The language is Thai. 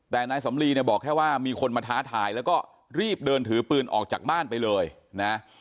แต่นายสำลีเนี่ยบอกแค่ว่ามีคนมาท้าทายแล้วก็รีบเดินถือปืนออกจากบ้านไปเลยนะ